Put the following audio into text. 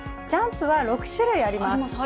ジャンプは６種類あります。